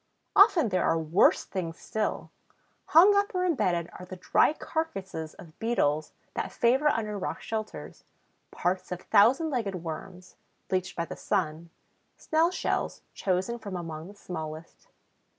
Often there are worse things still: hung up or embedded are the dry carcasses of Beetles that favor under rock shelters; parts of Thousand legged Worms, bleached by the sun; snail shells, chosen from among the smallest.